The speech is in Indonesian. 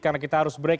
karena kita harus break